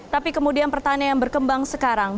tapi kemudian pertanyaan yang berkembang sekarang